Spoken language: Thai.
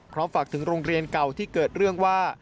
ฝากถึงโรงเรียนเก่าที่เกิดเรื่องว่า